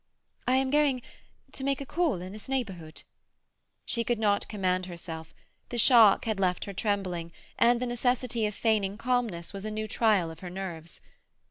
"I am going—to make a call in this neighbourhood—" She could not command herself. The shock had left her trembling, and the necessity of feigning calmness was a new trial of her nerves.